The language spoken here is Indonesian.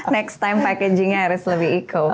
next time packagingnya harus lebih eco